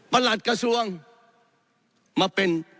หลัดกระทรวงมาเป็น